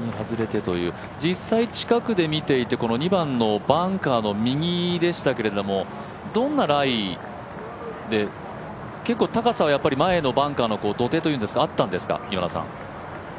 右に外れてという、実際近くで見ていて２番のバンカーの右でしたけども、どんなライで、結構高さは前のバンカーの土手というんですか、あったんですか。